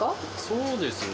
そうですね。